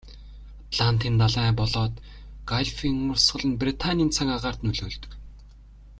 Атлантын далай болоод Галфын урсгал нь Британийн цаг агаарт нөлөөлдөг.